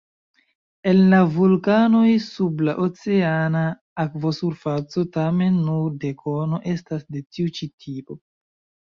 El la vulkanoj sub la oceana akvosurfaco tamen nur dekono estas de tiu-ĉi tipo.